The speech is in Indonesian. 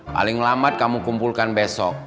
paling lambat kamu kumpulkan besok